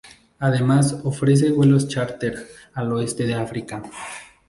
Además ofrece vuelos chárter al oeste de África.